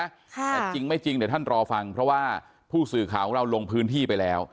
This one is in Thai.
แต่จริงไม่จริงเดี๋ยวท่านรอฟังเพราะว่าผู้สื่อข่าวของเราลงพื้นที่ไปแล้ว